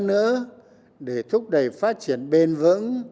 thứ ba nữa để thúc đẩy phát triển bền vững